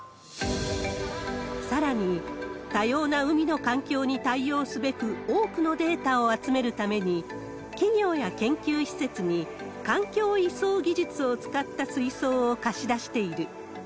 さらに、多様な海の環境に対応すべく、多くのデータを集めるために、企業や研究施設に環境移送技術を使った水槽を貸し出している。